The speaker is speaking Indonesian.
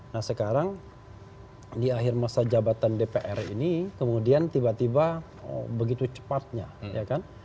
nah sekarang di akhir masa jabatan dpr ini kemudian tiba tiba begitu cepatnya ya kan